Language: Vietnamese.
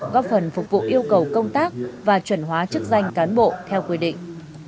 góp phần phục vụ yêu cầu công tác và chuẩn hóa chức danh cán bộ theo quy định